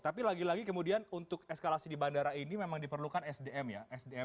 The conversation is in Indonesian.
tapi lagi lagi kemudian untuk eskalasi di bandara ini memang diperlukan sdm ya